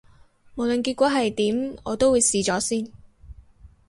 無論結果係點，我都會試咗先